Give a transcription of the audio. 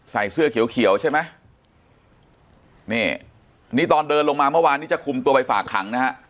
ใส่เสื้อเขียวเขียวใช่ไหมนี่นี่ตอนเดินลงมาเมื่อวานนี้จะคุมตัวไปฝากขังนะฮะ